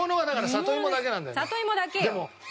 里芋だけよ。